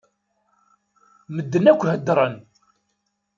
Medden akk heddṛen.